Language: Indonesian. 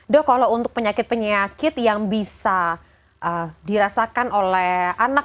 dok kalau untuk penyakit penyakit yang bisa dirasakan oleh anak